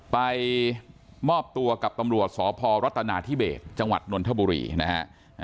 ไปมอบตัวกับตำรวจสพรัฐนาธิเบสจังหวัดนนทบุรีนะฮะ